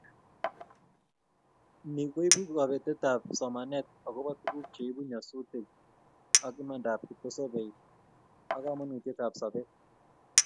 Ni koibu kobet somanet agobo tuguk cheibu nyasutik ak imandap kipkosobei ak komoutietab sobet